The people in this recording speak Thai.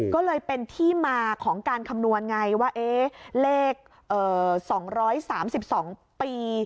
ก็เลยเป็นที่มาของการคำนวณไงว่าเลข๒๓๒ปี